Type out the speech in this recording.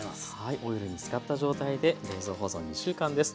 オイルに浸かった状態で冷蔵保存２週間です。